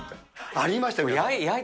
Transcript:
ありましたよ。